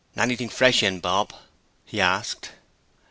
'Anything fresh in, Bob?' he asked.